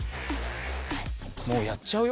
もうやっちゃうよ？